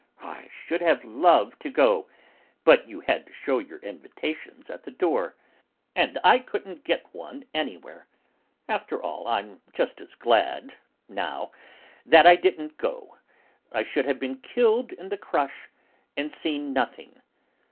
I should have loved to go! but you had to shew your invitation at the door, and I couldn't get one anywhere. After all, I'm just as glad, now, that I didn't go; I should have been killed in the crush, and seen nothing.